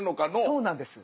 そうなんです。